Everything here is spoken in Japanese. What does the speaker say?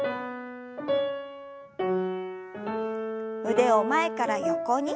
腕を前から横に。